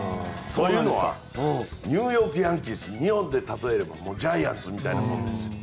というのはニューヨーク・ヤンキース日本で例えるとジャイアンツみたいなもんです。